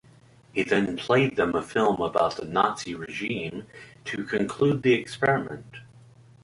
He then played them a film about the Nazi regime to conclude the experiment.